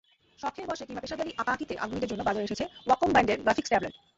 শখের বশে কিংবা পেশাদারি আঁকাআঁকিতে আগ্রহীদের জন্য বাজারে এসেছে ওয়াকম ব্র্যান্ডের গ্রাফিকস ট্যাবলেট।